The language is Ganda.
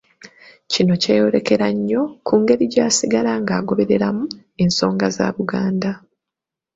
Kino kyeyolekera nnyo ku ngeri gy'asigala ng'agobereramu ensonga za Buganda.